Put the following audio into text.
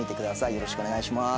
「よろしくお願いします」